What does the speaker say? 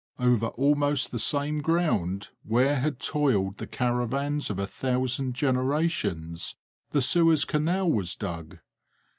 Over almost the same ground where had toiled the caravans of a thousand generations, the Suez Canal was dug.